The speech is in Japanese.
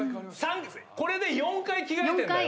これで４回着替えてるんだよ。